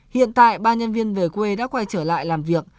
hiện tại ba nhân viên về quê đã quay trở lại làm việc